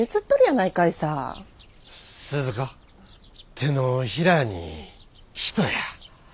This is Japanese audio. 手のひらに人や。